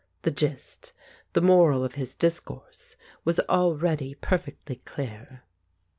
The gist, the moral of his discourse, was already perfectly clear.